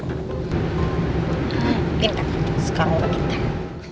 ehm ini kan sekarang ini kan